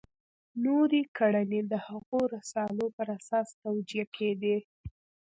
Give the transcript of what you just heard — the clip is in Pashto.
نورې کړنې د هغو رسالو پر اساس توجیه کېدې.